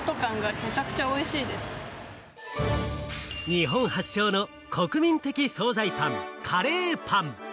日本発祥の国民的惣菜パン、カレーパン。